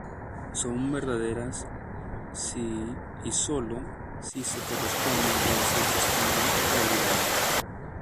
Son verdaderas si y solo si se corresponden con los hechos en la realidad.